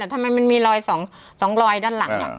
ทำไมมันมีรอย๒รอยด้านหลัง